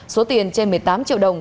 số tiền trên một mươi tám triệu đồng